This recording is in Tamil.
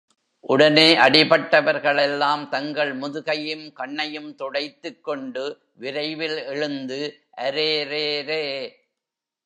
உடனே அடிபட்டவர்களெல்லாம் தங்கள் முதுகையும், கண்ணையும் துடைத்துக்கொண்டு, விரைவில் எழுந்து, அரேரேரே!